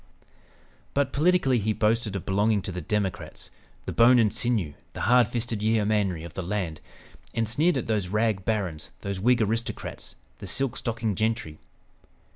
But, politically, he boasted of belonging to the Democrats, "the bone and sinew, the hard fisted yeomanry of the land," and sneered at those "rag barons," those Whig aristocrats, the "silk stocking gentry!"